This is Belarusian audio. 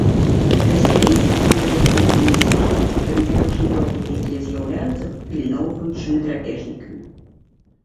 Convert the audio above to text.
Да сямейства належаць буйныя і сярэднія па памерах жывёлы, якія з'яўляюцца падпільноўваючымі драпежнікамі.